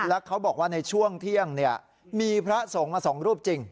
แล้วเขาบอกว่าในช่วงเที่ยงมีพระสงฆ์มา๒รูปจริง